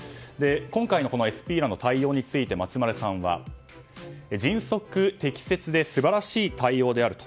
今回のＳＰらの対応について松丸さんは迅速適切で素晴らしい対応であると。